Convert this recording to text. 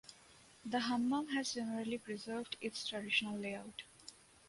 The hammam has generally preserved its traditional layout.